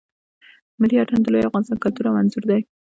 ملی آتڼ د لوی افغانستان کلتور او آنځور دی.